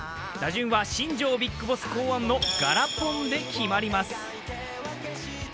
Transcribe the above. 打順は新庄ビッグボス考案のガラポンで決まります。